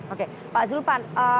oke pak zulpan